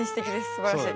すばらしい。